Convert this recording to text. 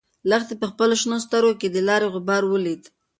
لښتې په خپلو شنه سترګو کې د لارې غبار ولید.